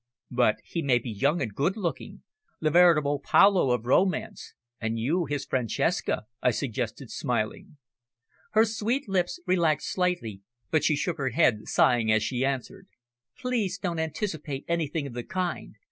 "But he may be young and good looking, the veritable Paolo of romance and you his Francesca," I suggested, smiling. Her sweet lips relaxed slightly, but she shook her head, sighing as she answered "Please don't anticipate anything of the kind.